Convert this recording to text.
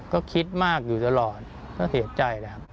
ก็คิดมากอยู่ตลอดก็เสียใจนะครับ